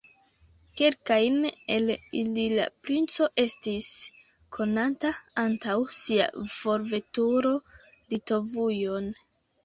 Kelkajn el ili la princo estis konanta antaŭ sia forveturo Litovujon.